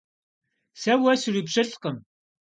Сэ уэ сурипщылӀкъым!